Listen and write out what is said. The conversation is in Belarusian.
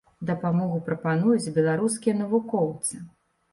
Дапамогу прапануюць беларускія навукоўцы.